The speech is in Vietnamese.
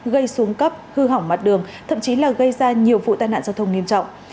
gây xuống cấp hư hỏng mặt đường thậm chí là gây ra nhiều vụ tai nạn giao thông nghiêm trọng